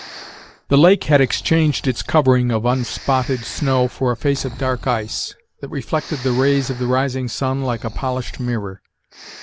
The lake had exchanged its covering of unspotted snow for a face of dark ice, that reflected the rays of the rising sun like a polished mirror.